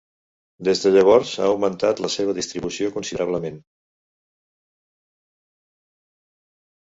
Des de llavors ha augmentat la seva distribució considerablement.